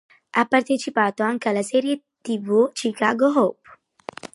Ha partecipato anche alla serie tv "Chicago Hope".